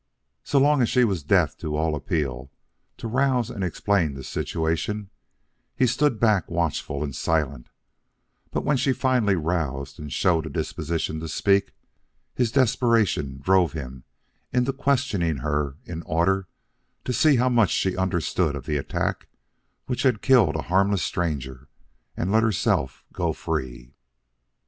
"'So long as she was deaf to all appeal to rouse and explain the situation, he stood back, watchful and silent; but when she finally roused and showed a disposition to speak, his desperation drove him into questioning her in order to see how much she understood of an attack which had killed a harmless stranger and let herself go free.